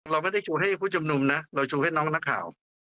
เราไม่ได้ชูให้ผู้ชมนุมนะเราชูให้น้องนักข่าว